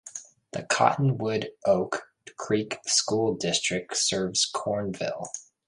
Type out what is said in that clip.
The Cottonwood-Oak Creek School District serves Cornville.